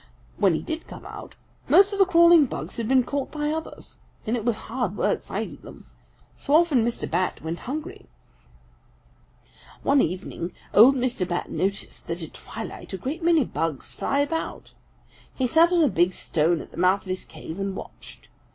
When he did come out most of the crawling bugs had been caught by others, and it was hard work finding them. So often Mr. Bat went hungry. "One evening old Mr. Bat noticed that at twilight a great many bugs fly about. He sat on a big stone at the mouth of his cave and watched.